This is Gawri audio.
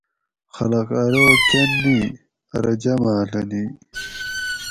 خلق ارو کۤن نی؟ ارو جاماڷہ نی